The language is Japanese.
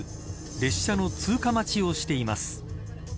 列車の通過待ちをしています。